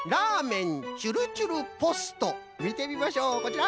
みてみましょうこちら！